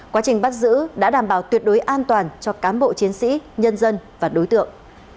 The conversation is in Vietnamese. quá trình bắt giữ đã đảm bảo tuyệt đối an toàn cho cám bộ chiến sĩ nhân dân và đối tượng